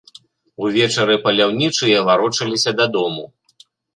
Увечары паляўнічыя варочаліся дадому.